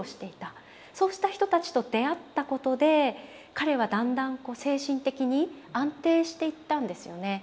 そうした人たちと出会ったことで彼はだんだん精神的に安定していったんですよね。